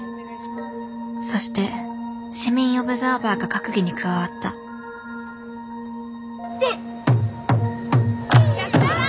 そして市民オブザーバーが閣議に加わったハッ！